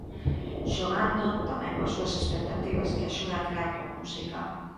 Xogando, tamén, coas súas expectativas, que axuda a crear con música.